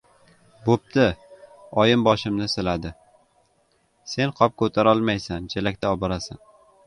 — Bo‘pti, — oyim boshimni siladi. — Sen qop ko‘tarolmaysan, chelakda oborasan.